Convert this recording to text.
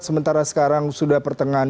sementara sekarang sudah pertengahan